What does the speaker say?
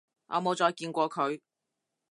我冇再見過佢